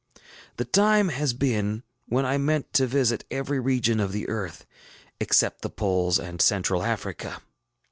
The time has been when I meant to visit every region of the earth, except the poles and Central Africa.